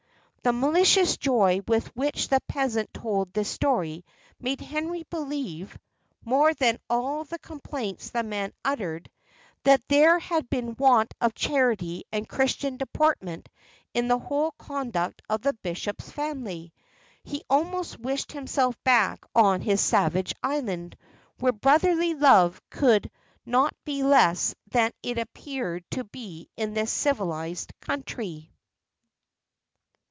The malicious joy with which the peasant told this story made Henry believe (more than all the complaints the man uttered) that there had been want of charity and Christian deportment in the whole conduct of the bishop's family. He almost wished himself back on his savage island, where brotherly love could not be less than it appeared to be in this civilised country.